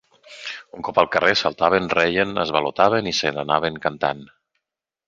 Un cop al carrer saltaven, reien, esvalotaven i se'n anaven cantant